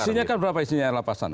isinya kan berapa isinya lapasan